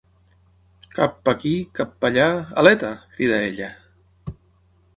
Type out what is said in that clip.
Kappa aquí kappa allà, aleta! —crida ella.